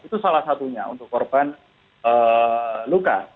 itu salah satunya untuk korban luka